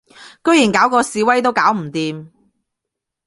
居然搞嗰示威都搞唔掂